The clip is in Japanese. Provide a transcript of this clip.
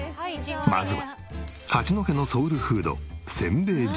まずは八戸のソウルフードせんべい汁。